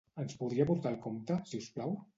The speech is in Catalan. Ens podria portar el compte, si us plau?